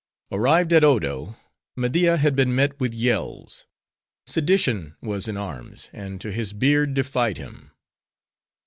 Arrived at Odo, Media had been met with yells. Sedition was in arms, and to his beard defied him.